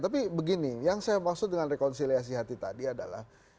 tapi begini yang saya maksud dengan rekonsiliasi hati tadi adalah